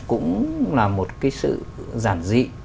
cũng là một cái sự giản dị